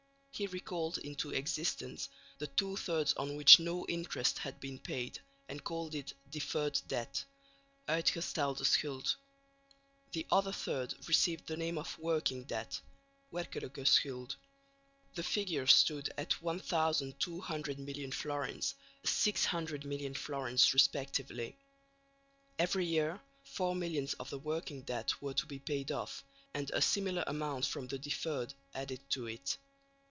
He recalled into existence the two thirds on which no interest had been paid and called it "deferred debt" (uitgestelde schuld); the other third received the name of "working debt" (werkelijke schuld). The figures stood at 1200 million florins and 600 million florins respectively. Every year four millions of the "working debt" were to be paid off, and a similar amount from the "deferred" added to it.